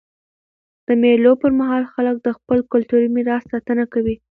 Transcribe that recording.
د مېلو پر مهال خلک د خپل کلتوري میراث ساتنه کوي.